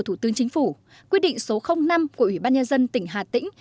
thủ tướng chính phủ quyết định số năm của ủy ban nhân dân tỉnh hà tĩnh